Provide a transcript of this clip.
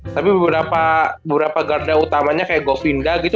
tapi beberapa guard nya utamanya kayak govinda gitu